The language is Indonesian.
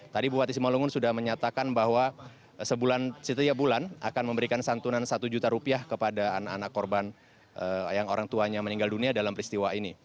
tadi bupati simalungun sudah menyatakan bahwa setiap bulan akan memberikan santunan satu juta rupiah kepada anak anak korban yang orang tuanya meninggal dunia dalam peristiwa ini